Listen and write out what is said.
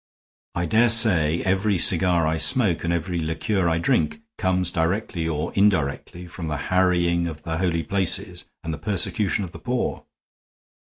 I dare say every cigar I smoke and every liqueur I drink comes directly or indirectly from the harrying of the holy places and the persecution of the poor.